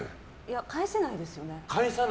返せないですよね。